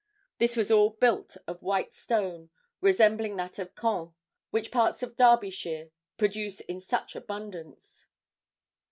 This was all built of white stone, resembling that of Caen, which parts of Derbyshire produce in such abundance.